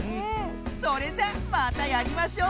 それじゃまたやりましょう！